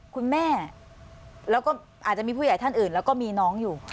คุณแม่แล้วก็อาจจะมีผู้ใหญ่ท่านอื่นแล้วก็มีน้องอยู่